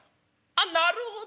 「あっなるほど。